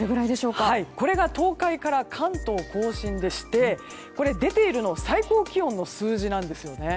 これが東海から関東・甲信でして出ているのは最高気温の数字なんですよね。